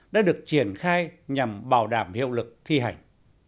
đã được triển khai nhằm bảo đảm hiệu lực thi hành